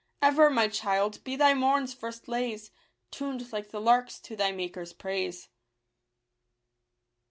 Ever, my child, be thy morn's first lays Tuned, like the lark's, to thy Maker's praise.